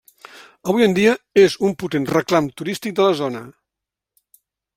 Avui en dia és un potent reclam turístic de la zona.